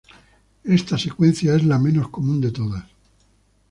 Esta secuencia es la menos común de todas.